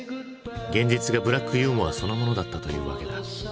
現実がブラックユーモアそのものだったというわけだ。